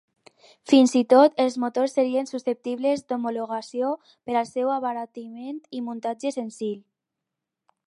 Fins i tot els motors serien susceptibles d'homologació per al seu abaratiment i muntatge senzill.